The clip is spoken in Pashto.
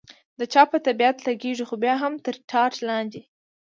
د چا په طبیعت لګېږي، خو بیا هم تر ټاټ لاندې.